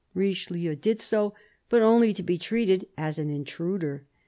Richelieu did so ; but only to be treated as an intruder.